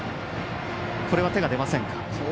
これは手が出ませんか。